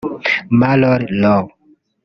Mallory Low